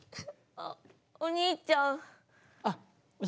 あっお嬢ちゃん。